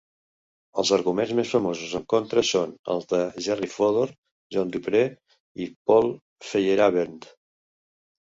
Els arguments més famosos en contra són els de Jerry Fodor, John Dupre i Paul Feyerabend.